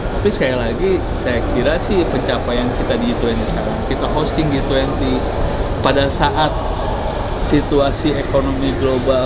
tapi sekali lagi saya kira sih pencapaian kita di g dua puluh sekarang kita hosting g dua puluh pada saat situasi ekonomi global